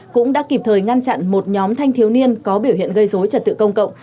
cũng đã kịp thời ngăn chặn một nhóm thanh thiếu niên có biểu hiện gây dối trật tự công cộng